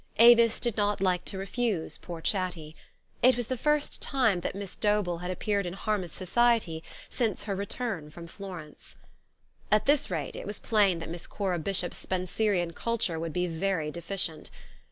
Avis did not like to refuse poor Chatty. It was the first time that Miss Dobell had appeared in Harmouth society since her return from Florence. 12 THE STORY OF AVIS. At this rate, it was plain that Miss Cora Bishop's Spenserian culture would be very deficient.